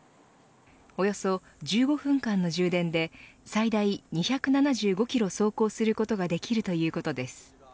およそ１５分間の充電で最大２７５キロ走行することができるということです。